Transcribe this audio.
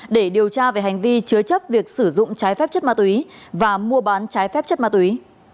để điều tra về hành vi chứa chấp việc sử dụng trái phép chất ma túy và mua bán trái phép chất ma túy